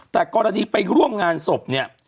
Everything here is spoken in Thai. แต่กรณีไปร่วมงานศพเนี่ย